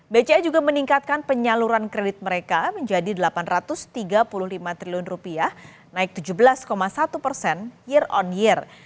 bca juga meningkatkan penyaluran kredit mereka menjadi rp delapan ratus tiga puluh lima triliun naik tujuh belas satu persen year on year